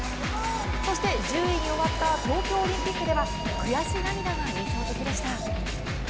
そして１０位に終わった東京オリンピックでは、悔し涙が印象的でした。